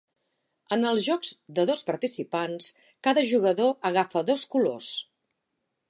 En els jocs de dos participants, cada jugador agafa dos colors.